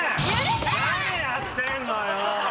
何やってんのよ！